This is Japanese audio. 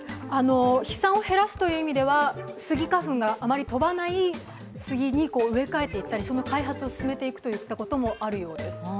飛散を減らすという意味ではスギ花粉があまり飛ばないスギに植え替えていったり、その開発を進めていったりということもあるようです。